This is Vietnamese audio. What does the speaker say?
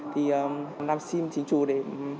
thì làm xin chính chủ để